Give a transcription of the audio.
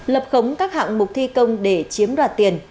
lập khống các hạng mục thi công để chiếm đoạt tiền